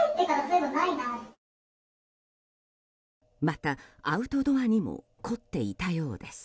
また、アウトドアにも凝っていたようです。